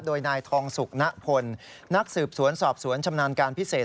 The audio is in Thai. โดยนายทองสุกณพลนักสืบสวนสอบสวนชำนาญการพิเศษ